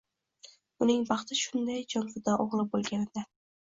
Uning baxti shunday jonfido o‘g‘li bo‘lganida.